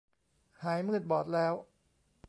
หายมืดบอดแล้ว